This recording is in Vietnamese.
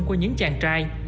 của những chàng trai